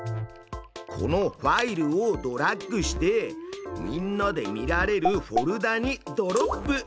このファイルをドラッグしてみんなで見られるフォルダにドロップ！